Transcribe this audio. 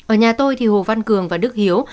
ở nhà tôi thì hồ văn cường và đức hiếu